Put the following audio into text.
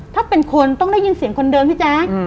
ถ้าเป็นคนต้องได้ยินเสียงคนเดิมพี่แจ๊ค